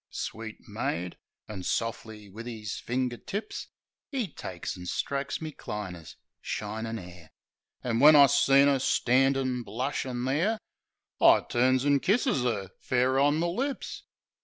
Sweet maid." An' sof'ly wiv 'is finger tips, 'E takes an' strokes me diner's shinin' 'air. An' when I seen 'er standin' blushin' there, I turns an' kisses 'er, fair on the lips.